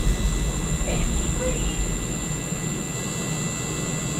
Fancy-free